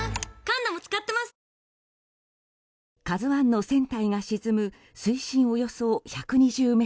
「ＫＡＺＵ１」の船体が沈む水深およそ１２０ｍ。